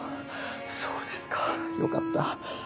そうですかよかった。